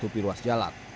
menutupi ruas jalan